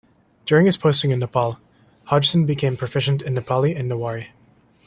During his posting in Nepal, Hodgson became proficient in Nepali and Newari.